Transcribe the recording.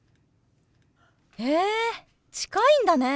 へえ近いんだね。